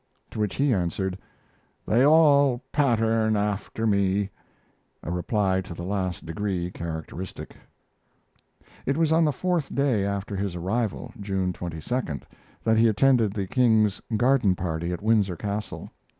To which he answered: "They all pattern after me," a reply to the last degree characteristic. It was on the fourth day after his arrival, June 22d, that he attended the King's garden party at Windsor Castle.